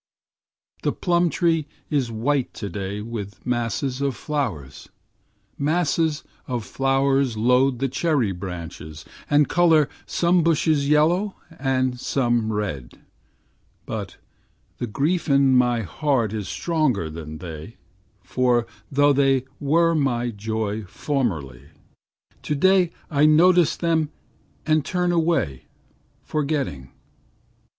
The plumtree is white today with masses of flowers. Masses of flowers load the cherry branches and color some bushes yellow and some red but the grief in my heart is stronger than they for though they were my joy formerly, today I notice them and turn away forgetting.